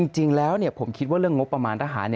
จริงแล้วผมคิดว่าเรื่องงบประมาณทหาร